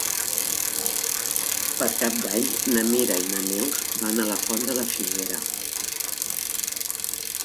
Per Cap d'Any na Mira i na Neus van a la Font de la Figuera.